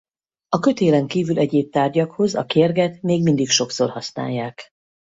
A kötélen kívül egyéb tárgyakhoz a kérget még mindig sokszor használják.